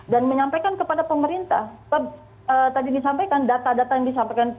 dan menyampaikan kepada pemerintah tadi disampaikan data data yang disampaikan tadi